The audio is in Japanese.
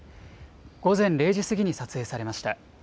午前０時過ぎに撮影されました。